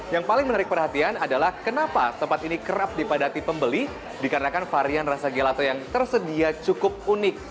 yang paling menarik perhatian adalah kenapa tempat ini kerap dipadati pembeli dikarenakan varian rasa gelato yang tersedia cukup unik